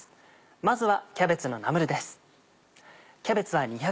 まずはキャベツのナムルです。